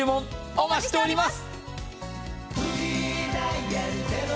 お待ちしております！！